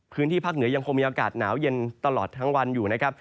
พื้นที่ภาคเหนือยังคงมีอากาศหนาวเย็นตลอดทั้งวันอยู่นะครับ